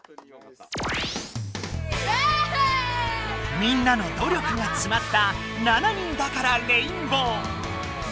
みんなの努力がつまった「七人だからレインボー」。